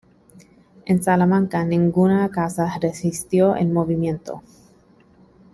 En Salamanca, ninguna casa resistió el movimiento.